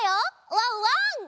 ワンワン！